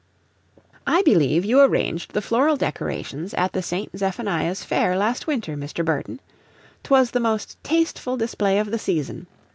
"I believe you arranged the floral decorations at the St. Zephaniah's Fair, last winter, Mr. Burton? 'Twas the most tasteful display of the season.